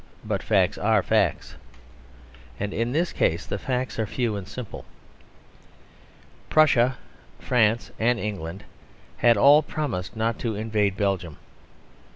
But facts are facts, and in this case the facts are few and simple. Prussia, France, and England had all promised not to invade Belgium.